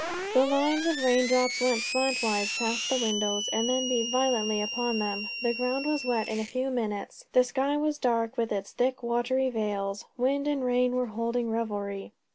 The lines of rain drops went slantwise past the windows, and then beat violently upon them; the ground was wet in a few minutes; the sky was dark with its thick watery veils. Wind and rain were holding revelry.